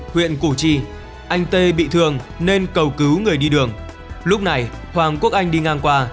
huyện củ chi anh tê bị thương nên cầu cứu người đi đường lúc này hoàng quốc anh đi ngang qua